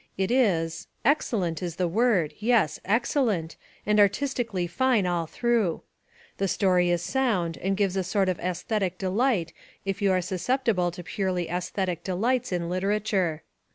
It is excellent is the word, yes, excellent and artistically fine all through. The story is sound and gives a sort of aesthetic delight if you are susceptible to purely aesthetic delights in literature.